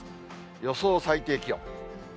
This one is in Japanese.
予想最低気温。